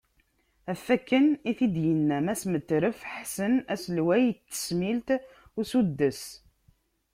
Ɣef wakken i t-id-yenna Mass Metref Ḥsen, aselway n tesmilt n usuddes.